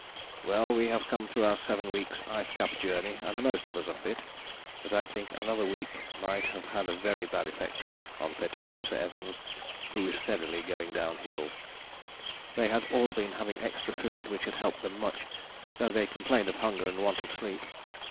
... "Well, we have come through our seven weeks' ice cap journey and most of us are fit, but I think another week might have had a very bad effect on P.O. Evans, who is going steadily downhill." They had all been having extra food which had helped them much, though they complained of hunger and want of sleep.